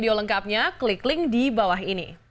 dan kembali melalui ke babak